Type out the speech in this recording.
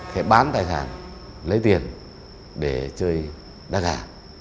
thế bán tài sản lấy tiền để chơi đá gà